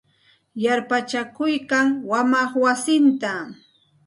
Yarpachakuykan wamaq wasinta.